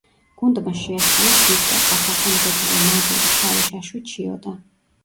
გუნდმა შეასრულა „შვიდკაცა“, „ხასანბეგურა“, „ნადური“, „შავი შაშვი ჩიოდა“.